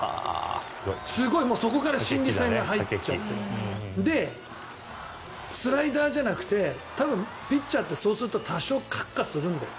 すごいそこから心理戦が始まっててで、スライダーじゃなくて多分、ピッチャーってそうすると多少、カッカするんだよ。